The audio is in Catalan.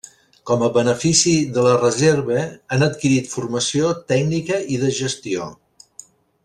Com a benefici de la Reserva han adquirit formació tècnica i de gestió.